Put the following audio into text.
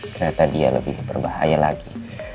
ternyata dia lebih berbahaya lagi